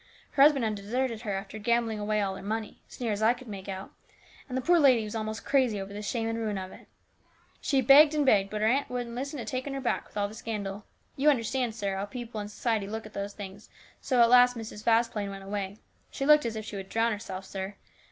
Her husband had deserted her after gambling away all her money, as near as I could make out, and the poor lady was almost crazy over the shame and ruin of it. She begged and begged, but her aunt wouldn't listen to taking her back, with all the scandal. You understand, sir, how people in society look at those things, and so at last Mrs. Vasplaine went away. She looked as if she would drown herself, sir.